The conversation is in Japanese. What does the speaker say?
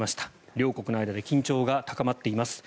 両国の間で緊張が高まっています。